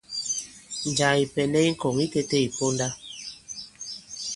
Njàā ì pɛ̀ndɛ i ŋkɔ̀ŋ itētē ì ponda.